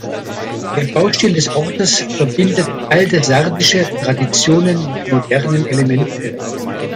Der Baustil des Ortes verbindet alte sardische Traditionen mit modernen Elementen.